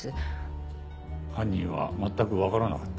犯人は全くわからなかった？